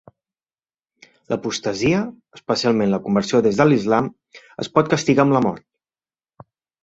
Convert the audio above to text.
L'apostasia, especialment la conversió des de l'islam, es pot castigar amb la mort.